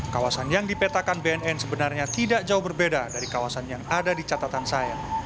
kawasan yang dipetakan bnn sebenarnya tidak jauh berbeda dari kawasan yang ada di catatan saya